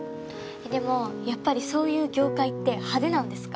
でもやっぱりそういう業界って派手なんですか？